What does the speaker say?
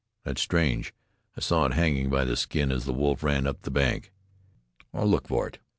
"That's strange. I saw it hanging by the skin as the wolf ran up the bank. I'll look for it."